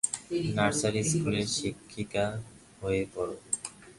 Nursery স্কুলের শিক্ষিকা হয়ে পড়।